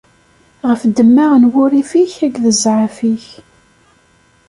Ɣef ddemma n wurrif-ik akked zzɛaf-ik.